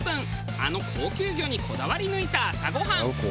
あの高級魚にこだわり抜いた朝ごはん。